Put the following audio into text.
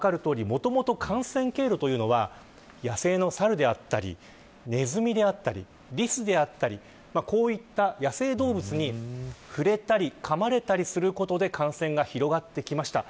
もともと感染経路は野生のサルであったりネズミであったりリスであったり野生動物に触れたり噛まれたりすることで感染が広がってきました。